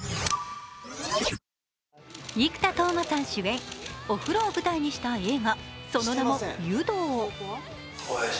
生田斗真さん主演、お風呂を舞台にした映画、その名も「湯道」。